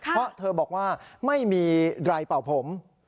เพราะเธอบอกว่าไม่มีไรเป่าผม